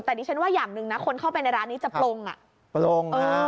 แต่ดิฉันว่าอย่างหนึ่งนะคนเข้าไปในร้านนี้จะปลงอ่ะปลง